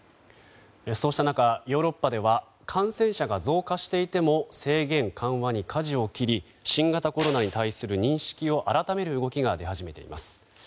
そうした中ヨーロッパでは感染者が増加していても制限緩和にかじを切り新型コロナに対する認識を改める動きが出始めています。